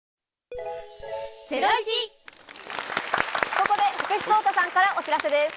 ここで福士蒼汰さんからお知らせです。